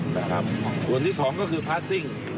ส่วนที่สองก็คือพาชซิ่ง